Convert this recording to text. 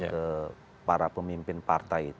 ke para pemimpin partai